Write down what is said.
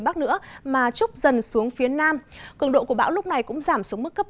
cường độ của bão lúc này cũng giảm xuống mức cấp tám